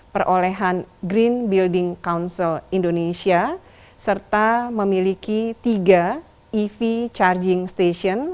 perolehan green building council indonesia serta memiliki tiga ev charging station